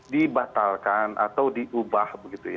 dibatalkan atau diubah